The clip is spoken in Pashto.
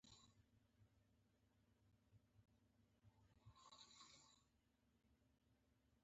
دغه انځور زما دی